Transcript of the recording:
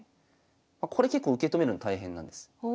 これ結構受け止めるの大変なんです。